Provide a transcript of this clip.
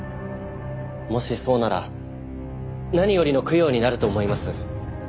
もしそうなら何よりの供養になると思います。